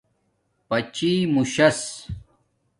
پچامس